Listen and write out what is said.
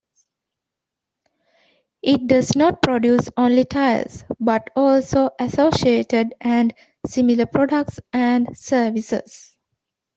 It does not produce only tires, but also associated and similar products and services.